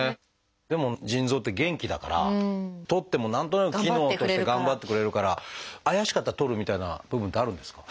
でも腎臓って元気だからとっても何となく機能として頑張ってくれるから怪しかったらとるみたいな部分ってあるんですか？